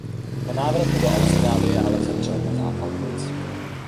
Po návratu do Austrálie ale zemřel na zápal plic.